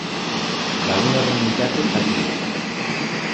Lagun horren bitartez jakin dut.